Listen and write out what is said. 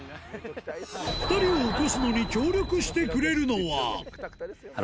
２人を起こすのに協力してくれるのは。